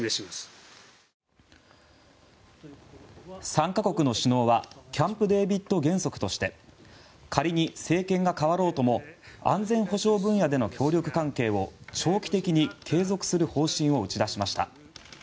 ３か国の首脳はキャンプデービッド原則として仮に政権が代わろうとも安全保障分野での協力関係を長期的に継続する方針を打ち出しました。